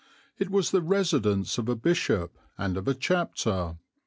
It was the residence of a Bishop and of a Chapter.